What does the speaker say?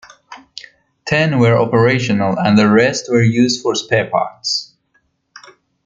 Ten were operational and the rest were used for spare parts.